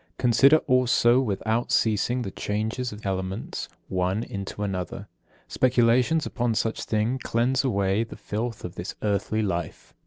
Consider also without ceasing the changes of elements, one into another. Speculations upon such things cleanse away the filth of this earthly life.